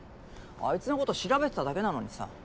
あいつのこと調べてただけなのにさ。